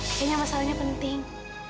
kayaknya masalahnya penting